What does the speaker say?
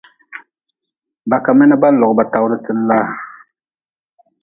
Ba ka mi na ba-n log ba tawdten laa.